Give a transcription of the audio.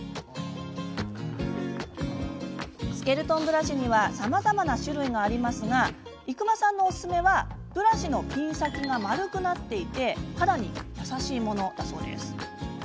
スケルトンブラシにはいろいろな種類がありますが伊熊さんのおすすめはブラシのピン先が丸くなっていて、肌に優しいもの。